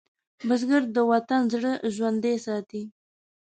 بزګر د وطن زړه ژوندی ساتي